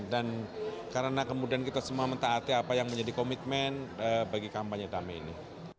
dan karena kemudian kita semua mentaati apa yang menjadi komitmen bagi kampanye damai ini